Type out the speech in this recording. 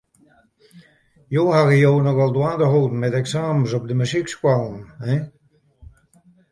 Jo hawwe jo nochal dwaande holden mei de eksamens op dy muzykskoallen, hin.